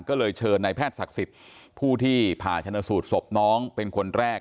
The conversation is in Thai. ก็เลยเชิญนายแพทย์ศักดิ์สิทธิ์ผู้ที่ผ่าชนสูตรศพน้องเป็นคนแรก